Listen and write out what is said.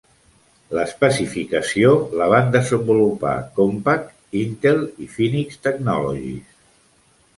L'especificació la van desenvolupar Compaq, Intel i Phoenix Technologies.